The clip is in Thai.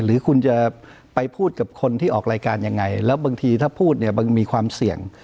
หรือคุณจะไปพูดกับคนที่ออกรายการยังไงแล้วบางทีถ้าพูดเนี่ยมันมีความเสี่ยง